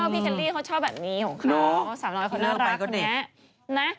พี่เคลลี่เขาชอบแบบนี้ของเขา